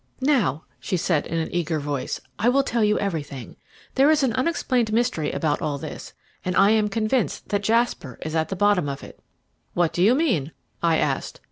"Now," she said in an eager voice, "I will tell you everything. There is an unexplained mystery about all this, and I am convinced that Jasper is at the bottom of it." "What do you mean?" I asked.